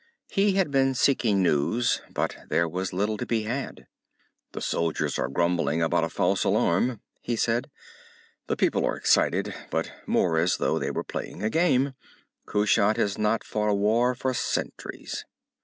He had been seeking news, but there was little to be had. "The soldiers are grumbling about a false alarm," he said. "The people are excited, but more as though they were playing a game. Kushat has not fought a war for centuries."